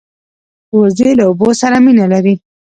وزې له اوبو سره مینه لري